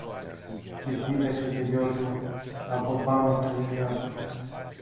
και κοίταξε το γιο του από πάνω από τα γυαλιά του.